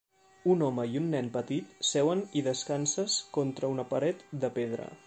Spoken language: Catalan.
Un home i un nen petit seuen i descanses contra una paret de pedra.